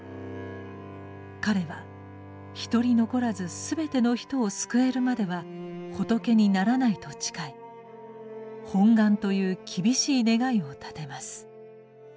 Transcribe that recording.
彼は一人残らず全ての人を救えるまでは仏にならないと誓い「本願」という厳しい願いを立てます。